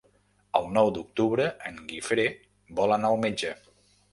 El nou d'octubre en Guifré vol anar al metge.